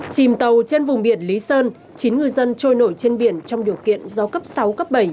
chìm tàu trên vùng biển lý sơn chín ngư dân trôi nổi trên biển trong điều kiện gió cấp sáu cấp bảy